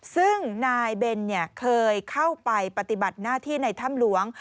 ซึ่งนายเบนเคยเข้าไปปฏิบัติหน้าที่ในถ้ำหลวง